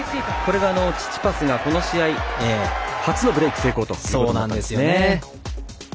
チチパスが、この試合初のブレーク成功ということだったんですね。